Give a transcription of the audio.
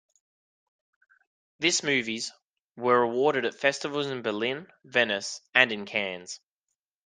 This movies were awarded at festivals in Berlin, Venice and in Cannes.